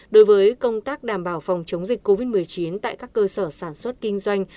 đối với công tác đảm bảo phòng chống dịch covid một mươi chín tại các cơ sở sản xuất kinh doanh